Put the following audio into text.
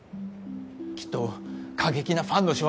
きっと過激なファンの仕業ですよ。